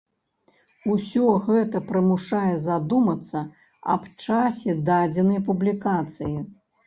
Усё гэта прымушае задумацца аб часе дадзенай публікацыі.